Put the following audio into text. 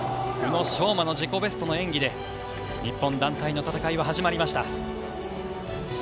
宇野昌磨の自己ベストの演技で日本団体の戦いは始まりました。